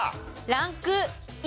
ランク１。